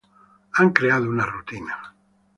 han creado una rutina